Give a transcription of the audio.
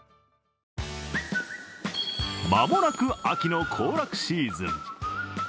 間もなく秋の行楽シーズン。